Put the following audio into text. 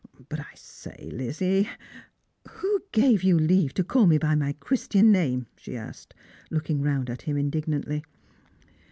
But I say, Lizzie "" Who gave you leave to call me by my Christian name ?" she asked, looking round at him indignantly.